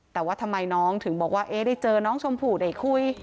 แต่ว่าทำไมน้องถึงบอกว่าได้เจอน้องชมพู่ได้คุย